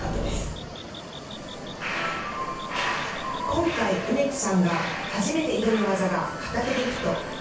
今回、梅木さんが初めて挑む技が片手リフト。